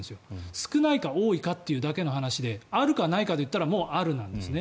少ないか多いかというだけの話であるかないかで言ったらもうあるなんですね。